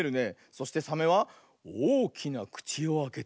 そしてサメはおおきなくちをあけておよぐ。